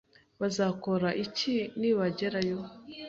Bazakora iki nibagerayo?